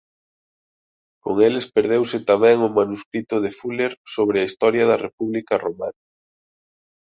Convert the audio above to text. Con eles perdeuse tamén o manuscrito de Fuller sobre a historia da República Romana.